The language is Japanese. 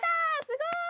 すごーい！